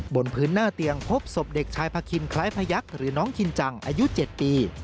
บนพื้นหน้าเตียงพบศพเด็กชายพาคินคล้ายพยักษ์หรือน้องคินจังอายุ๗ปี